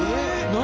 何？